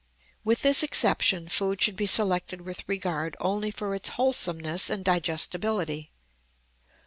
With this exception food should be selected with regard only for its wholesomeness and digestibility.